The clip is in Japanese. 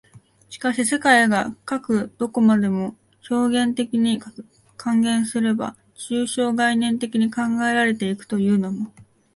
しかし世界がかく何処までも表現的に、換言すれば抽象概念的に考えられて行くというのも、